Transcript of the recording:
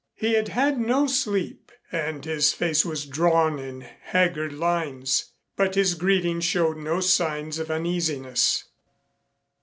He had had no sleep and his face was drawn in haggard lines, but his greeting showed no signs of uneasiness.